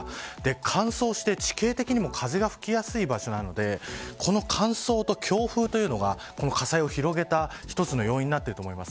乾燥して、地形的にも風が吹きやすい場所なのでこの乾燥と強風というのがこの火災を広げた１つの要因になってると思います。